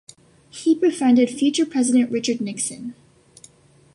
He befriended future President Richard Nixon.